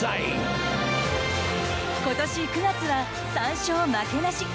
今年９月は３勝負けなし。